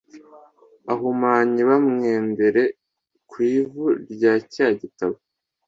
uhumanye bamwendere ku ivu rya cya gitambo